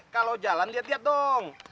kalau jalan dia lihat dong